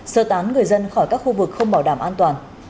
sơ tán người dân khỏi các khu vực không bảo đảm an toàn